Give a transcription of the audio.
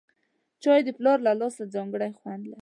چای د پلار له لاسه ځانګړی خوند لري